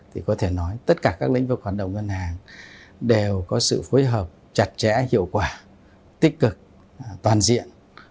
thì có thể nói tất cả các lĩnh vực hoạt động ngân hàng đều có sự phối hợp chặt chẽ hiệu quả tích cực toàn diện